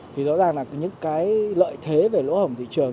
thì rõ ràng là những cái lợi thế về lỗ hồng thị trường